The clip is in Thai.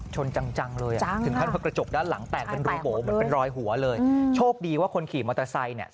ชนจังเลยอ่ะถึงขั้นว่ากระจกด้านหลังแตกเป็นรูโบ๋เหมือนเป็นรอยหัวเลยโชคดีว่าคนขี่มอเตอร์ไซค์เนี่ย